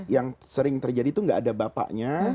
yang sering terjadi itu gak ada bapaknya